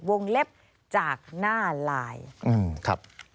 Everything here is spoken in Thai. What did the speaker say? วงเล็บจากหน้าไลน์ครับ